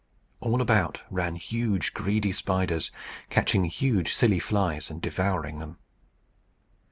All about ran huge greedy spiders, catching huge silly flies, and devouring them.